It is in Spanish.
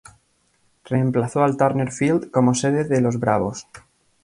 Reemplazó al Turner Field como sede de los Bravos.